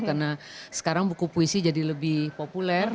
karena sekarang buku puisi jadi lebih populer